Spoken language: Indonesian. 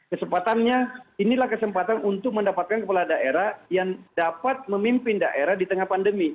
kesempatannya inilah kesempatan untuk mendapatkan kepala daerah yang dapat memimpin daerah di tengah pandemi